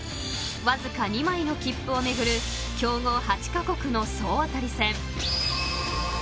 ［わずか２枚の切符を巡る強豪８カ国の総当たり戦］